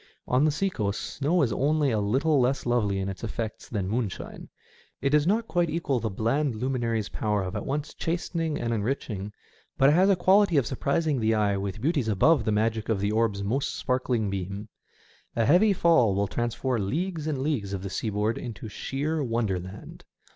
On the sea coast, snow is only a little less lovely in its effects than moonshine. It does not quite equal the bland luminary's power of at once chastening and enriching, but it has a quality of surprising the eye with beauties above the magic of the orb's most sparkling beam. A heavy fall will transform leagues and leagues of the seaboard into sheer wonderland.